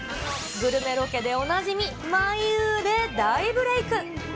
グルメロケでおなじみ、まいうーで大ブレーク。